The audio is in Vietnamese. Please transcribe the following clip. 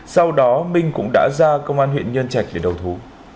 sau đó minh cũng đã ra công an huyện nhân trạch để đầu thú